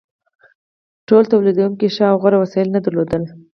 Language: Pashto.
ټولو تولیدونکو ښه او غوره وسایل نه درلودل.